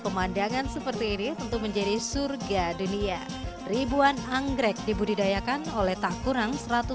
pemandangan seperti ini untuk menjadi surga dunia ribuan anggrek dibudidayakan oleh tak kurang satu ratus delapan